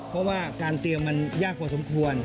เพราะว่าการเตรียมมันยากพอสมควร